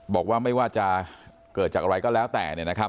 บอกว่าไม่ว่าจะเกิดจากอะไรก็แล้วแต่